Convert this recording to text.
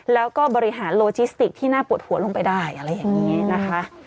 แล้วก็บริหารโลจิสติกที่น่าปวดหัวลงไปได้อะไรอย่างนี้นะคะ